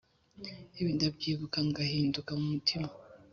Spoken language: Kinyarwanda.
Ibi ndabyibuka ngahinduka mumutima